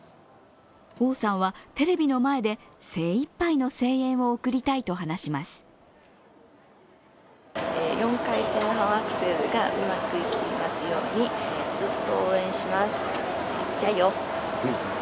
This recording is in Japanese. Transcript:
王さんはテレビの前で精いっぱいの声援を送りたいと話します。